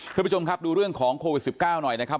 คุณผู้ชมครับดูเรื่องของโควิด๑๙หน่อยนะครับ